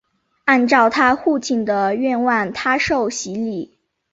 按照她父亲的愿望她受洗礼。